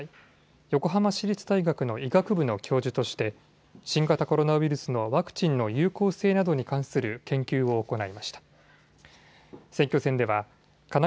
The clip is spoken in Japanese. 横浜市立大学の医学部の教授として新型コロナウイルスのワクチンの有効性などに関する新型コロナウイルスの研究を行いました。